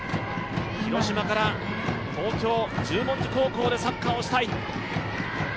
広島から東京・十文字高校でサッカーをしたい。